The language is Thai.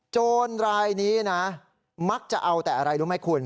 โจรรายนี้นะมักจะเอาแต่อะไรรู้ไหมคุณ